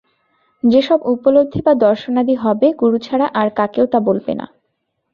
যে-সব উপলব্ধি বা দর্শনাদি হবে, গুরু ছাড়া আর কাকেও তা বলবে না।